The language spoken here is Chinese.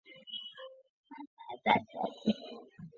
中国共产党第十九届中央委员会候补委员。